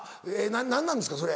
何なんですかそれ。